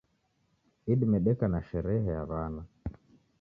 Idime deka na sherehe ya wana